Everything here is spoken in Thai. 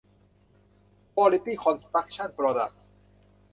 ควอลิตี้คอนสตรัคชั่นโปรดัคส์